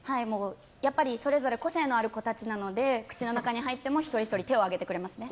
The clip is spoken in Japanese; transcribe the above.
やっぱりそれぞれ個性のある子たちなので口の中に入っても一人ひとり手を挙げてくれますね。